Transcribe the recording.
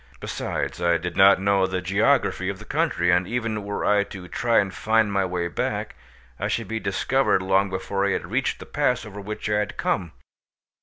Besides, I did not know the geography of the country, and even were I to try and find my way back, I should be discovered long before I had reached the pass over which I had come.